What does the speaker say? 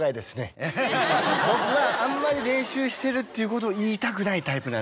僕があんまり練習してるっていうことを言いたくないタイプなんですよ。